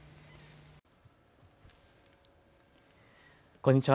こんにちは。